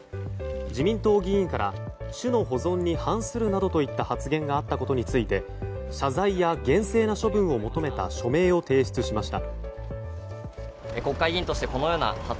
自民党議員から種の保存に反するなどといった発言があったことについて謝罪や厳正な処分を求めた署名を提出しました。